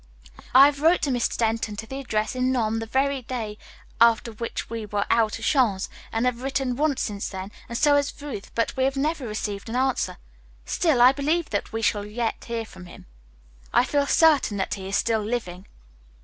"I wrote to Mr. Denton to the address in Nome the very next day after we were out at Jean's and have written once since then, and so has Ruth, but we have never received an answer. Still, I believe that we shall yet hear from him. I feel certain that he is still living.